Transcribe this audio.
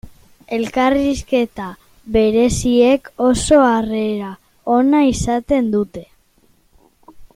Elkarrizketa bereziek oso harrera ona izaten dute.